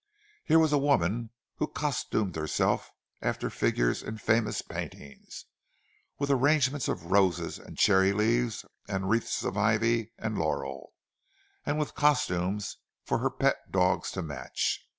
Here was a woman who costumed herself after figures in famous paintings, with arrangements of roses and cherry leaves, and wreaths of ivy and laurel—and with costumes for her pet dogs to match!